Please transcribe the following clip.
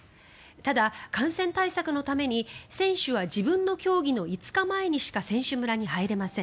ただ、感染対策のために選手は自分の競技の５日前にしか選手村に入れません。